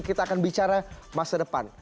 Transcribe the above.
kita akan bicara masa depan